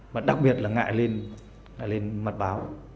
và đặc biệt là ngại lên mặt báo